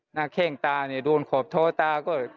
หน้าแข้งตาโดนขอบท่อตาก็